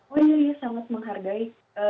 oh iya ya sangat menghargai